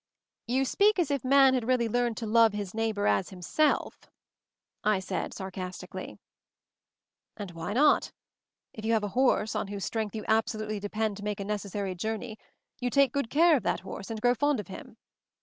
"You speak as if man had really learned to 'love his neighbor as himself,'" I said sarcastically. "And why not? If you have a horse, on whose strength you absolutely depend to MOVING THE MOUNTAIN 171 make a necessary journey, you take good \ care of that horse and grow fond of him.